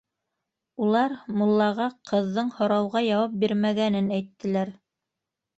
Улар муллаға ҡыҙҙың һорауға яуап бирмәгәнен әйттеләр.